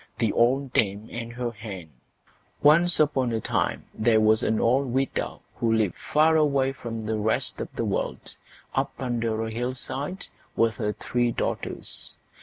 THE OLD DAME AND HER HEN Once on a time there was an old widow who lived far away from the rest of the world, up under a hillside, with her three daughters.